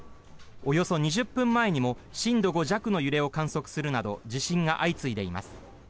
およそ２０分前にも震度５弱の揺れを観測するなど地震が相次いでいます。